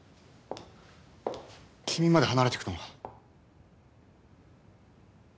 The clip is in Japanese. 君まで離れていくのか？